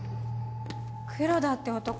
黒田って男